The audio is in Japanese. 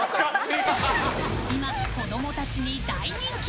今、子供たちに大人気！